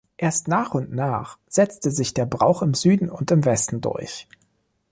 Erst nach und nach setzte sich der Brauch im Süden und im Westen durch.